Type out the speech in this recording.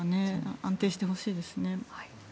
安定してほしいですね。